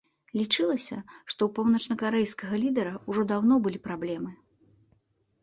Лічылася, што ў паўночнакарэйскага лідара ўжо даўно былі праблемы.